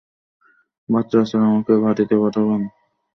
Batra sir, আমাকে ঘাঁটিতে পাঠাবেন না।